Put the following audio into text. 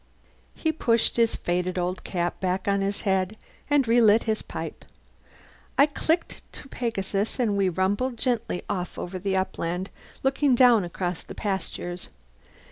He pushed his faded old cap back on his head and relit his pipe. I clicked to Pegasus and we rumbled gently off over the upland, looking down across the pastures.